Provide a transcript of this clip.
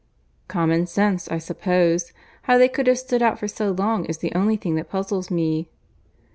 "Common sense, I suppose. How they could have stood out for so long is the only thing that puzzles me."